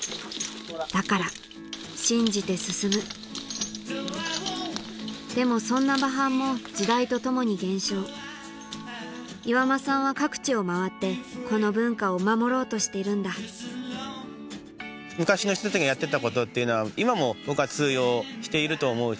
だから信じて進むでもそんな馬搬も時代とともに減少岩間さんは各地を回ってこの文化を守ろうとしてるんだ昔の人たちがやってたことっていうのは今も僕は通用していると思う。